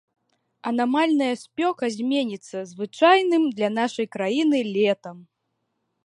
Анамальная спёка зменіцца звычайным для нашай краіны летам.